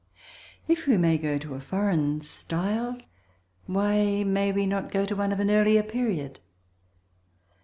If we may go to a foreign style why may we not go to one of an earlier period?